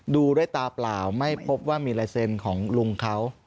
ดูด้วยตาเปล่าไม่พบว่ามีลายเซ็นต์ของลุงเขา